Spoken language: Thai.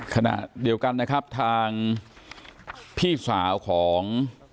ขณะเดียวกันนะครับทางพี่สาวของ